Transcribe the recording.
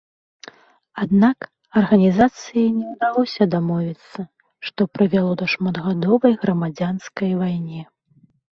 Аднак арганізацыяй не ўдалося дамовіцца, што прывяло да шматгадовай грамадзянскай вайне.